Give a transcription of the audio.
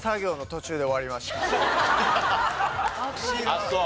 あっそう。